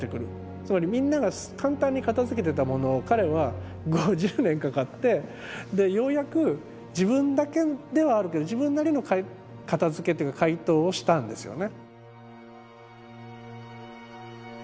つまりみんなが簡単に片づけてたものを彼は５０年かかってでようやく自分だけではあるけど自分なりの片づけという回答をしたんですよね。